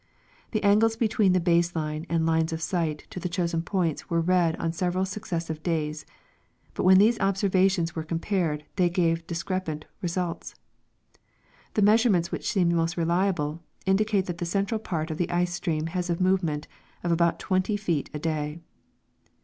The angles between the base line and lines of sight to the chosen points were read o\\ several successive (lays, but when these observations whm'c ccuni^arinl they gave dis crepant results. Themeasurenumts which sccuuhI mi^st reliahle indicate that the central part of the ice stream has a nun enuMit of about twenty feet a day.